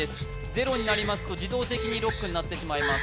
ゼロになりますと自動的にロックになってしまいます